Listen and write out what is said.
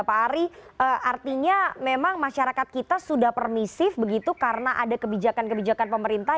pak ari artinya memang masyarakat kita sudah permisif begitu karena ada kebijakan kebijakan pemerintah